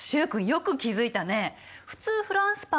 よく気付いたね。